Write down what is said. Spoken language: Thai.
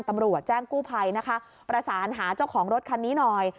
ตำรวจแจ้งกู้ภัยนะคะประสานหาเจ้าของรถคันนี้หน่อย